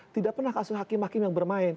tidak pernah kasus hakim hakim yang bermain